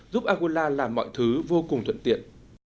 giúp aguila làm mọi thứ vô cùng thuận tiện